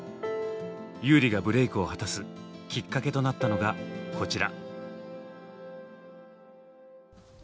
優里がブレークを果たすきっかけとなったのがこちら。